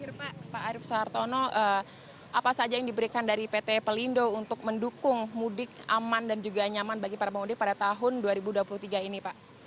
terakhir pak arief soehartono apa saja yang diberikan dari pt pelindo untuk mendukung mudik aman dan juga nyaman bagi para pemudik pada tahun dua ribu dua puluh tiga ini pak